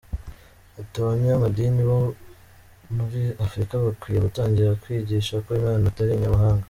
Ati “Abanyamadini bo muri Afurika bakwiye gutangira kwigisha ko Imana atari inyamahanga”.